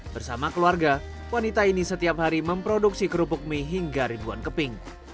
bersama keluarga wanita ini setiap hari memproduksi kerupuk mie hingga ribuan keping